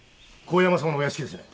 神山様のお屋敷ですね？